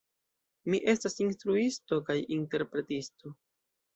Mi estas instruisto kaj interpretisto.